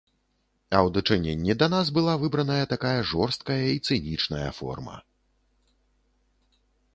А ў дачыненні да нас была выбраная такая жорсткая і цынічная форма.